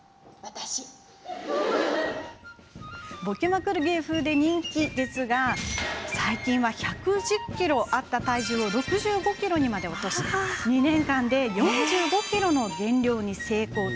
ボケまくる芸風で人気ですが最近は１１０ｋｇあった体重を６５ｋｇにまで落とし２年間で４５ｋｇの減量に成功。